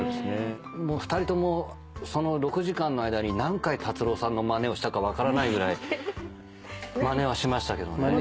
２人ともその６時間の間に何回達郎さんのまねをしたか分からないぐらいまねはしましたけどね。